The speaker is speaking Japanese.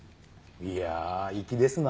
いや粋ですな。